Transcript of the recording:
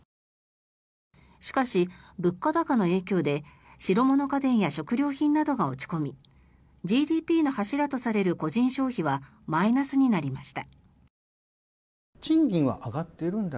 しかし、物価高の影響で白物家電や食料品などが落ち込みＧＤＰの柱とされる個人消費はマイナスになりました。